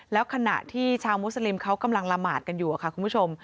แล้วขณะที่ชาวมุสลิมเขากำลังละหมาดกันอยู่ค่ะคุณผู้ชม